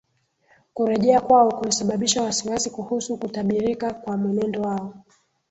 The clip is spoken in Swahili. Kurejea kwao kulisababisha wasiwasi kuhusu kutabirika kwa mwenendo wao